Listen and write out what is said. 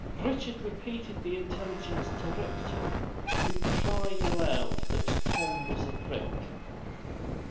Richard repeated the intelligence to Ripton, who cried aloud that Tom was a brick.